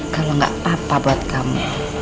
kalau nggak apa apa buat kami